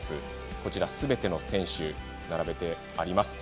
こちらにすべての選手を並べてあります。